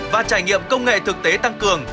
và trải nghiệm công nghệ thực tế tăng cường